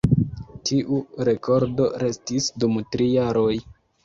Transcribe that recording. Tiu rekordo restis dum tri jaroj.